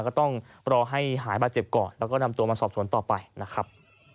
ก็ต้องรอให้หายบาดเจ็บก่อนแล้วก็นำตัวมาสอบสวนต่อไปนะครับ